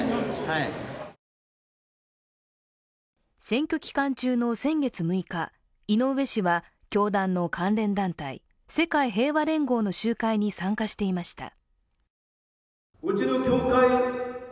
選挙期間中の先月６日、井上氏は教団の関連団体、世界平和連合の集会に参加していました。